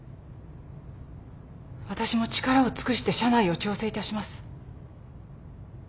私も力を尽くして社内を調整いたします。